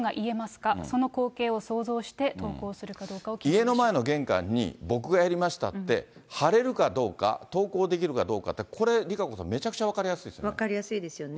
家の前の玄関に、僕がやりましたって貼れるかどうか、投稿できるかどうかって、これ、ＲＩＫＡＣＯさん、めちゃくちゃ分かりやすいですね。